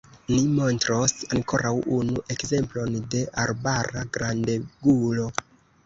Ni montros ankoraŭ unu ekzemplon de arbara grandegulo.